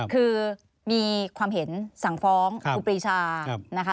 คือมีความเห็นสั่งฟ้องครูปรีชานะคะ